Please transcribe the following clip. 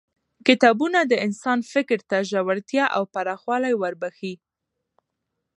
کتابونه د انسان فکر ته ژورتیا او پراخوالی وربخښي